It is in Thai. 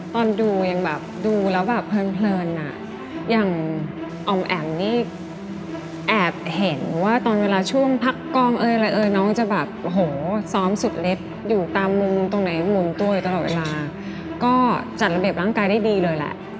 ตอนดูยังแบบดูแล้วแบบเพลินอ่ะอย่างออมแอ๋มนี่แอบเห็นว่าตอนเวลาช่วงพักกองเอ้ยอะไรเอ่ยน้องจะแบบโอ้โหซ้อมสุดเล็กอยู่ตามมุมตรงไหนมุมตัวอยู่ตลอดเวลาก็จัดระเบียบร่างกายได้ดีเลยแหละ